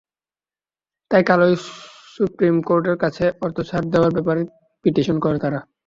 তাই কালই সুপ্রিম কোর্টের কাছে অর্থ ছাড় দেওয়ার ব্যাপারে পিটিশন করে তারা।